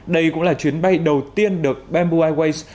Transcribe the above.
đây cũng là chuyến bay đầu tiên được bamboo airways